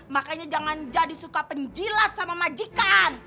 makanya jangan jadi suka penjilat sama majikan